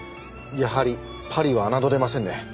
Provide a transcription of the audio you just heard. やはりパリは侮れませんね。